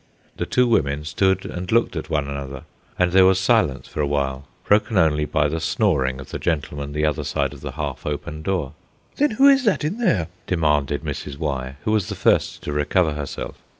The two women stood and looked at one another; and there was silence for awhile, broken only by the snoring of the gentleman the other side of the half open door. "Then who is that, in there?" demanded Mrs. Y., who was the first to recover herself.